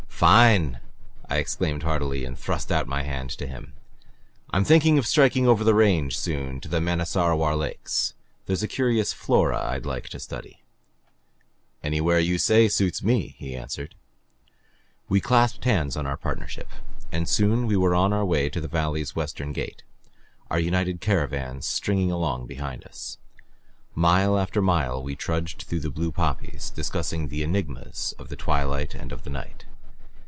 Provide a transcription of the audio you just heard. "Fine!" I exclaimed heartily, and thrust out my hand to him. "I'm thinking of striking over the range soon to the Manasarowar Lakes. There's a curious flora I'd like to study." "Anywhere you say suits me," he answered. We clasped hands on our partnership and soon we were on our way to the valley's western gate; our united caravans stringing along behind us. Mile after mile we trudged through the blue poppies, discussing the enigmas of the twilight and of the night.